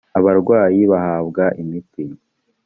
abarwayi bahabwa imiti